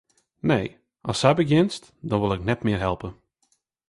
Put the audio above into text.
Nee, ast sa begjinst, dan wol ik net mear helpe.